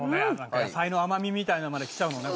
野菜の甘みみたいなのまできちゃうのね